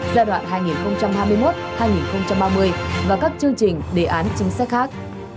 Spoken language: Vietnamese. giai đoạn hai nghìn hai mươi một hai nghìn ba mươi và các chương trình đề án chính sách khác